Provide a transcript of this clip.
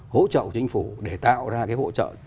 hỗ trợ chính phủ để tạo ra cái hỗ trợ